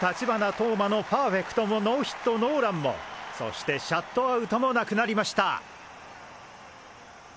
投馬のパーフェクトもノーヒットノーランもそしてシャットアウトも無くなりました！